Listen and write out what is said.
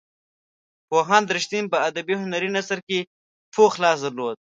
پوهاند رښتین په ادبي هنري نثر کې پوخ لاس درلود.